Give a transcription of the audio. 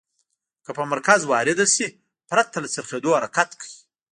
که په مرکز وارده شي پرته له څرخیدو حرکت کوي.